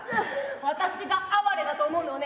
私があわれだと思うのはね